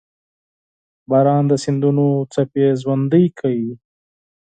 • باران د سیندونو څپې ژوندۍ کوي.